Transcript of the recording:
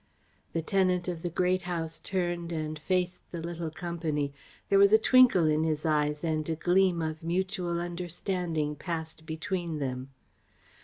The tenant of the Great House turned and faced the little company. There was a twinkle in his eyes and a gleam of mutual understanding passed between them.